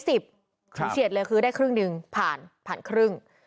เฉียดเลยคือได้ครึ่งหนึ่งผ่านผ่านครึ่ง